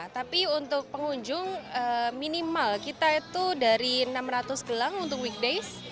tapi untuk pengunjung minimal kita itu dari enam ratus gelang untuk weekdays